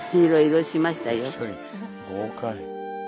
豪快。